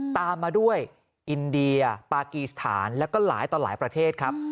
ตามมาด้วยอินเดียปากีสถานแล้วก็หลายต่อหลายประเทศครับ